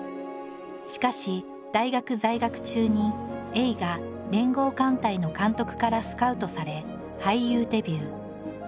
しかし大学在学中に映画「連合艦隊」の監督からスカウトされ俳優デビュー。